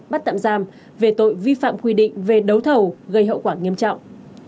bắt tạm giam về tội vi phạm quy định về đấu thầu gây hậu quả nghiêm trọng